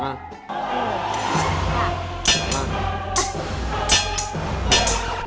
ใช่